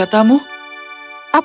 aku tidak mau mencintaimu